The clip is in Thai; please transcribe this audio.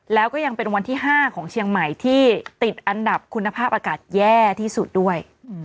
แล้วก็ยังเป็นวันที่๕ของเชียงใหม่ที่ติดอันดับคุณภาพอากาศแย่ที่สุดด้วย